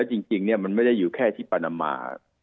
แล้วจริงเนี่ยมันไม่ได้อยู่แค่ที่ปาณมา